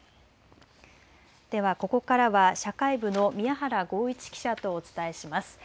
では、ここからは社会部の宮原豪一記者とお伝えします。